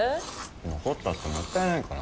残ったってもったいないから。